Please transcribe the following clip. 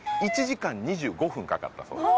１時間２５分かかったそうです